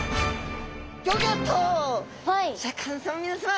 シャーク香音さま皆さま